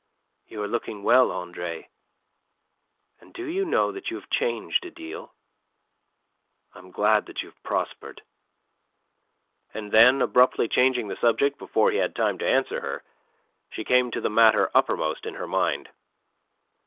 "You are looking well, Andre; and do you know that you have changed a deal? I am glad that you have prospered." And then, abruptly changing the subject before he had time to answer her, she came to the matter uppermost in her mind.